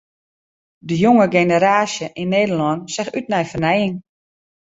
De jonge generaasje yn Nederlân seach út nei fernijing.